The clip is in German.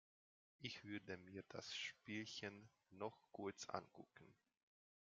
Ich würde mir das Spielchen noch kurz ankucken.